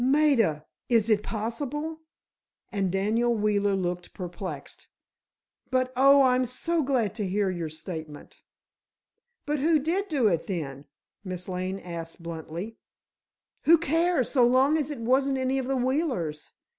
"Maida! Is it possible?" and Daniel Wheeler looked perplexed. "But, oh, I'm so glad to hear your statement." "But who did do it, then?" Miss Lane asked, bluntly. "Who cares, so long as it wasn't any of the Wheelers!"